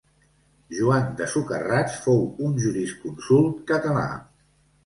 Joan de Socarrats fou un jurisconsult català.